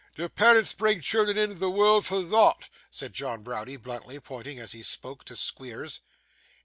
'Do parents bring children into the world for THOT?' said John Browdie bluntly, pointing, as he spoke, to Squeers.